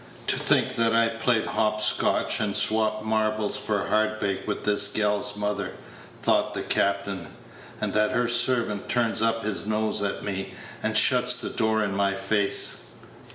"To think that I played hop scotch and swopped marbles for hardbake with this gal's mother," thought the captain, "and that her servant turns up his nose at me, and shuts the door in my face!"